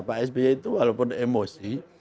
pak sby itu walaupun emosi